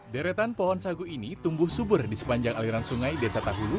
deretan pohon sagu ini tumbuh subur di sepanjang aliran sungai desa tahulu